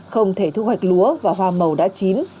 không thể thu hoạch lúa và hoa màu đã chín